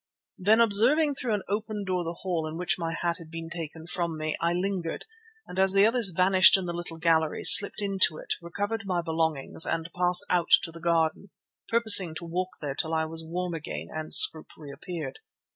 Then, observing through an open door the hall in which my hat had been taken from me, I lingered and as the others vanished in the little gallery, slipped into it, recovered my belongings, and passed out to the garden, purposing to walk there till I was warm again and Scroope reappeared.